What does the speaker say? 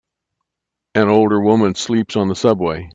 An older woman sleeps on the subway.